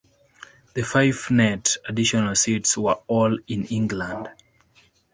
The five net additional seats were all in England.